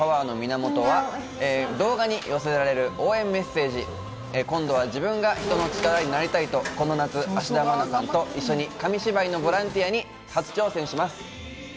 トレーニングに取り組むパワーの源は動画に寄せられる応援メッセージ、今度は自分が人の力になりたいと、この夏、芦田愛菜さんと一緒に紙芝居のボランティアに初挑戦します。